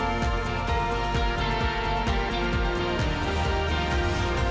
attending ini sudah selesai nih